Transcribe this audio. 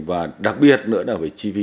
và đặc biệt nữa là về chi phí